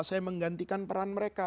saya menggantikan peran mereka